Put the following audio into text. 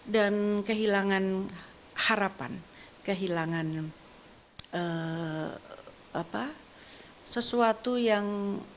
dan kehilangan harapan kehilangan sesuatu yang